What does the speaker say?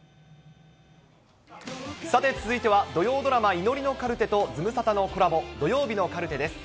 さて、続いては土曜ドラマ、祈りのカルテとズムサタのコラボ、土曜日のカルテです。